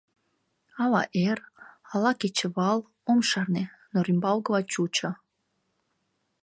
Ала эр, ала кечывал, ом шарне, но рӱмбалгыла чучо.